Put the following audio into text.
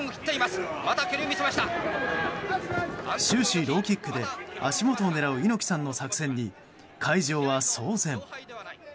終始ローキックで足元を狙う猪木さんの作戦に会場は騒然。